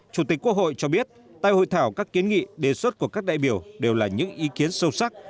chủ tịch quốc hội cho biết tại hội thảo các kiến nghị đề xuất của các đại biểu đều là những ý kiến sâu sắc